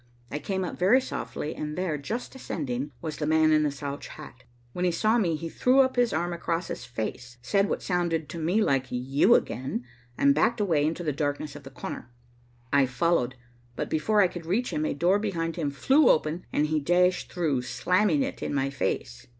I came up very softly and there, just descending, was the man in the slouch hat. When he saw me, he threw up his arm across his face, said what sounded to me like 'You again,' and backed away into the darkness of the corner. I followed, but before I could reach him, a door behind him flew open and he dashed through, slamming it in my face.